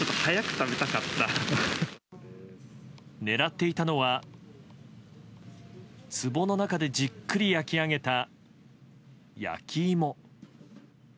狙っていたのは、つぼの中でじっくり焼き上げた焼き芋。